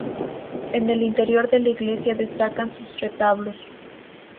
En el interior de la iglesia destacan sus retablos.